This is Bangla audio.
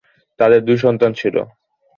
তাঁদের দুই সন্তান ছিল।